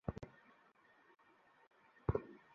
বাবু, বাবু আমার নাম?